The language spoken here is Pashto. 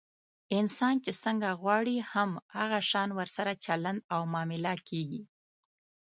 انسان چې څنګه غواړي، هم هغه شان ورسره چلند او معامله کېږي.